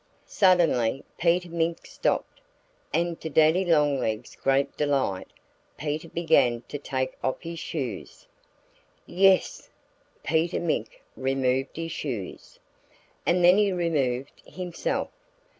Suddenly Peter Mink stopped. And to Daddy Longlegs' great delight Peter began to take off his shoes. Yes! Peter Mink removed his shoes. And then he removed himself.